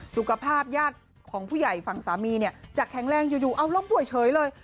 สุขภาพญาติของผู้ใหญ่ฝั่งสามีเนี่ยจะแข็งแรงอยู่เอาล้มป่วยเฉยเลย